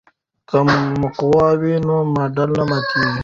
که مقوا وي نو ماډل نه ماتیږي.